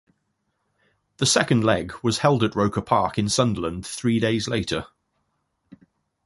The second leg was held at Roker Park in Sunderland three days later.